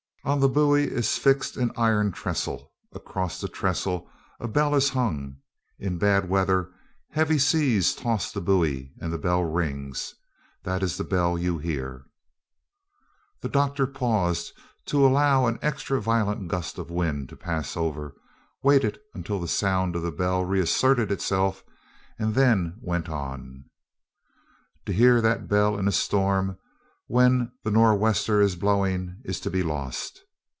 On the buoy is fixed an iron trestle, and across the trestle a bell is hung. In bad weather heavy seas toss the buoy, and the bell rings. That is the bell you hear." The doctor paused to allow an extra violent gust of wind to pass over, waited until the sound of the bell reasserted itself, and then went on, "To hear that bell in a storm, when the nor' wester is blowing, is to be lost.